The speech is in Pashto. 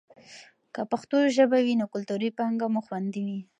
که پښتو ژبه وي نو کلتوري پانګه مو خوندي وي.